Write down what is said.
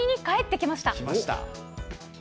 きました。